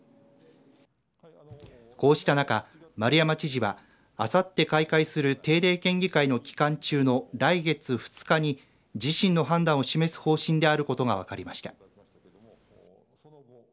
こうした中、丸山知事はあさって開会する定例県議会の期間中の来月２日に自身の判断を示す方針であることが分かりました。